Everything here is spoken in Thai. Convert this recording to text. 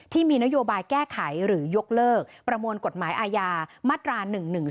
ที่มีนโยบายแก้ไขหรือยกเลิกประมวลกฎหมายอาญามาตรา๑๑๒